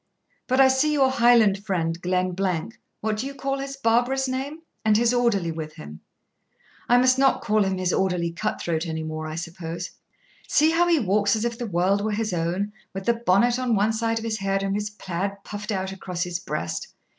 But I see your Highland friend, Glen what do you call his barbarous name? and his orderly with him; I must not call him his orderly cut throat any more, I suppose. See how he walks as if the world were his own, with the bonnet on one side of his head and his plaid puffed out across his breast!